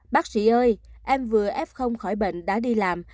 bác sĩ ơi em vừa f khỏi bệnh đã đi làm